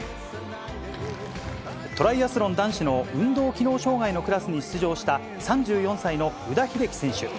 トライアスロン男子の運動機能障がいのクラスに出場した３４歳の宇田秀生選手。